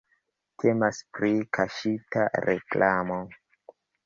Temas pri kaŝita reklamo.